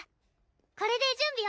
これで準備ＯＫ？